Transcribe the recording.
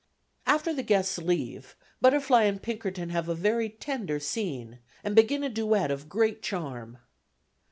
After the guests leave, Butterfly and Pinkerton have a very tender scene, and begin a duet of great charm.